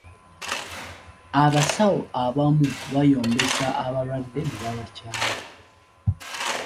Abasawo abamu bayombesa abalwadde ne babakyawa.